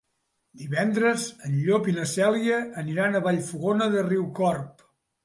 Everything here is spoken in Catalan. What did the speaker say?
Divendres en Llop i na Cèlia aniran a Vallfogona de Riucorb.